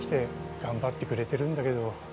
頑張ってくれてるんだけど